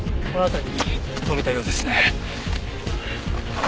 この辺りに止めたようですね。